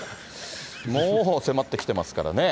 もう迫ってきてますからね。